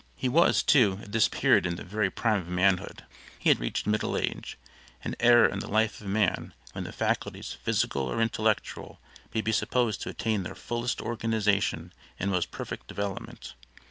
He was, too, at this period in the very prime of manhood. He had reached middle age an era in the life of man when the faculties, physical or intellectual, may be supposed to attain their fullest organization and most perfect development.